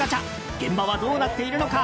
現場はどうなっているのか。